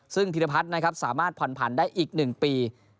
ซึ่งพิรพัฒน์นะครับสามารถผ่อนผันได้อีก๑ปี